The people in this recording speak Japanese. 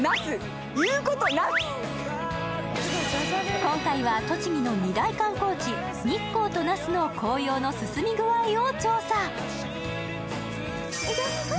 今回は栃木の２大観光地、日光と那須の紅葉の進み具合を調査。